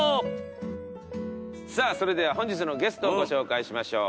さあそれでは本日のゲストをご紹介しましょう。